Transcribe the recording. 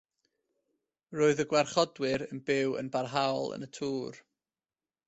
Roedd y gwarchodwyr yn byw yn barhaol yn y tŵr.